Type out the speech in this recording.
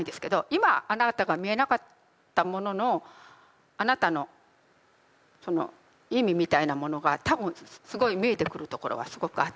今あなたが見えなかったもののあなたのその意味みたいなものが多分すごい見えてくるところはすごくあって。